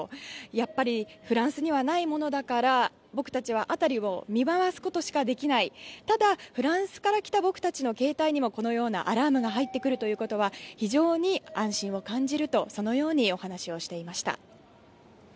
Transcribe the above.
やっぱりフランスにはないものだから僕たちは辺りを見回すことしかできないただ、フランスから来た僕たちの携帯にもこのようなアラームが入ってくるということは非常に安心を感じるとお話をしていました。